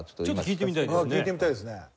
ちょっと聴いてみたいですね。